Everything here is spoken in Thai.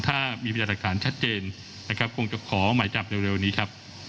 ถ้ามีพยานหลักฐานชัดเจนนะครับคงจะขอหมายจับเร็วนี้ครับ